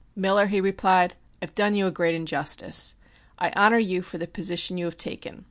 "Miller," he replied, "I have done you a great injustice. I honor you for the position you have taken.